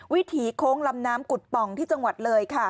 วิถีโค้งลำน้ำกุฎป่องที่จังหวัดเลยค่ะ